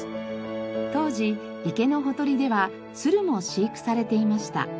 当時池のほとりでは鶴も飼育されていました。